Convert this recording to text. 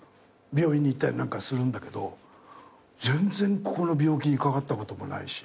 病院に行ったりなんかするんだけど全然ここの病気にかかったこともないし。